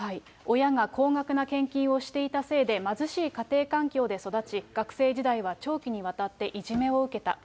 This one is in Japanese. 親が高額な献金をしていたせいで貧しい家庭環境で育ち、学生時代は長期にわたっていじめを受けた。